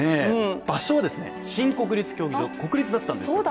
場所は新国立競技場、国立だったんですよ。